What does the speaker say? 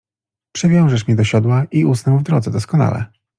- Przywiążesz mnie do siodła i usnę w drodze doskonale.